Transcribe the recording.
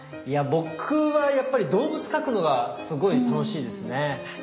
僕はやっぱり動物描くのがすごい楽しいですね。